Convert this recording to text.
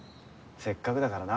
せっかくだからな。